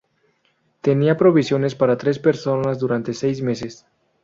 Tenía provisiones para tres personas durante seis meses.